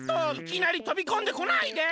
いきなりとびこんでこないで！